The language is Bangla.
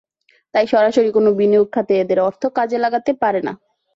তাই সরাসরি কোনো বিনিয়োগ খাতে এদের অর্থ কাজে লাগাতে পারে না।